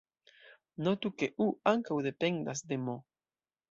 Notu, ke "u" ankaŭ dependas de "m".